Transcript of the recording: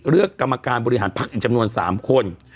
เลือกกรรมการบริหารภักดิ์จำนวน๓คน